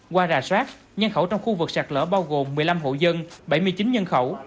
qua rà soát nhân khẩu trong khu vực sạt lở bao gồm một mươi năm hộ dân bảy mươi chín nhân khẩu